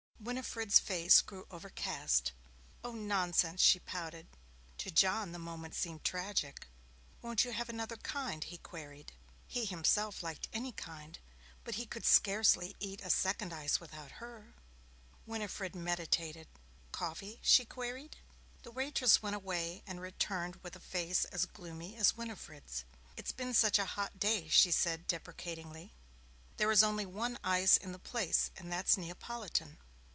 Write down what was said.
Winifred's face grew overcast. 'Oh, nonsense!' she pouted. To John the moment seemed tragic. 'Won't you have another kind?' he queried. He himself liked any kind, but he could scarcely eat a second ice without her. Winifred meditated. 'Coffee?' she queried. The waitress went away and returned with a face as gloomy as Winifred's. 'It's been such a hot day,' she said deprecatingly. 'There is only one ice in the place and that's Neapolitan.'